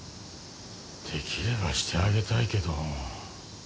できればしてあげたいけど。